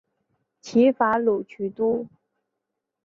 齐伐鲁取都。